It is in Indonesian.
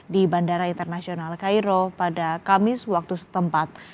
di bandara internasional cairo pada kamis waktu setempat